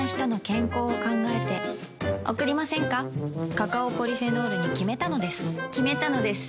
カカオポリフェノールに決めたのです決めたのです。